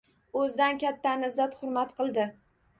O’zidan kattani izzat-hurmat qildi.